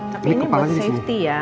tapi ini buat safety ya